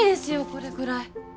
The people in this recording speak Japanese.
これくらい。